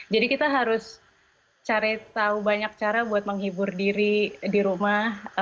jadi kita harus cari tahu banyak cara buat menghibur diri di rumah